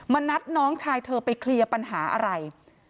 นัดน้องชายเธอไปเคลียร์ปัญหาอะไร